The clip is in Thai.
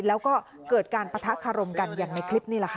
แล้วก็เกิดการปะทะคารมกันอย่างในคลิปนี่แหละค่ะ